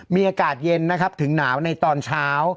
มีอากาศเย็นนะครับถึงหนาวในตอนเช้า